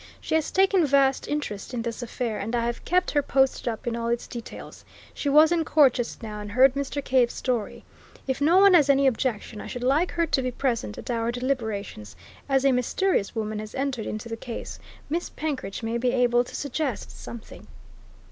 She has taken vast interest in this affair, and I have kept her posted up in all its details. She was in court just now and heard Mr. Cave's story. If no one has any objection, I should like her to be present at our deliberations as a mysterious woman has entered into the case, Miss Penkridge may be able to suggest something."